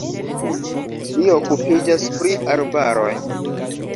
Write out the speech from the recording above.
Li okupiĝas pri arbaroj.